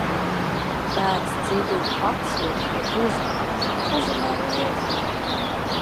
Bērns cītīgi pats liek to puzli. Puzle nav liela.